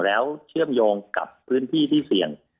แล้วเชื่อมโยงกับพื้นที่ที่เสี่ยง